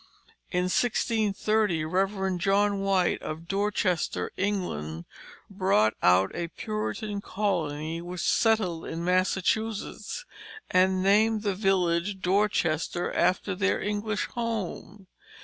In 1630, Rev. John White of Dorchester, England, brought out a Puritan colony which settled in Massachusetts, and named the village Dorchester, after their English home.